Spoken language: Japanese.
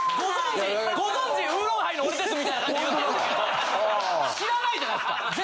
・ご存じウーロンハイの俺ですみたいな感じで言ってくるけど知らないじゃないですか